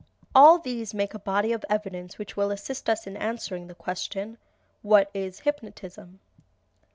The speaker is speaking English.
All these make a body of evidence which will assist us in answering the question, What is hypnotism?